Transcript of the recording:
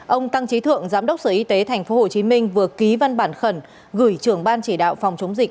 ông tăng trí thượng giám đốc sở y tế tp hcm vừa ký văn bản khẩn gửi trưởng ban chỉ đạo phòng chống dịch